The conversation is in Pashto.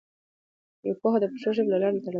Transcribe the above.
پوهه د پښتو ژبې له لارې ترلاسه کېدای سي.